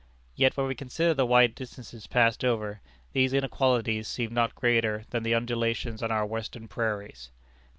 Yet when we consider the wide distances passed over, these inequalities seem not greater than the undulations on our Western prairies.